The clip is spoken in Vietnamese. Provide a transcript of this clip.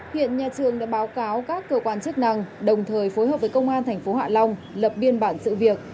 hiện nhà trường đã báo cáo các cơ quan chức năng đồng thời phối hợp với công an tp hạ long lập biên bản sự việc